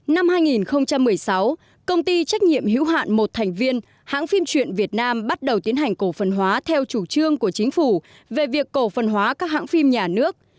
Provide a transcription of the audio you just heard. năm hai nghìn một mươi sáu công ty trách nhiệm hữu hạn một thành viên hãng phim truyện việt nam bắt đầu tiến hành cổ phần hóa theo chủ trương của chính phủ về việc cổ phần hóa các hãng phim nhà nước